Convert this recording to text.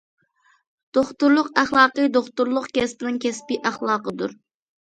دوختۇرلۇق ئەخلاقى دوختۇرلۇق كەسپىنىڭ كەسپىي ئەخلاقىدۇر.